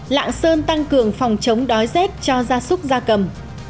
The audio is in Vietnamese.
lạng sơn tăng cường phòng chống đói rét cho gia súc gia cầm